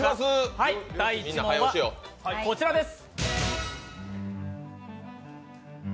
第１問はこちらです。